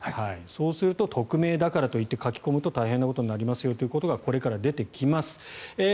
そうすると匿名だからといって書き込むと大変なことになりますよということがこれから出てきます。